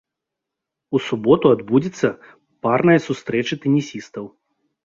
У суботу адбудзецца парная сустрэча тэнісістаў.